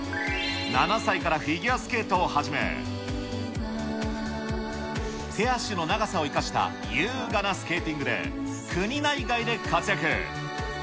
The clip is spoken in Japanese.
７歳からフィギュアスケートを始め、手足の長さを生かした優雅なスケーティングで、国内外で活躍。